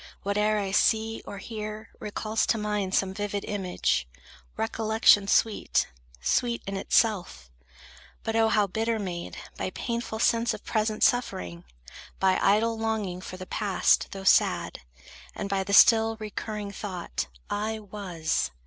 Whate'er I see or hear, recalls to mind Some vivid image, recollection sweet; Sweet in itself, but O how bitter made By painful sense of present suffering, By idle longing for the past, though sad, And by the still recurring thought, "I was"!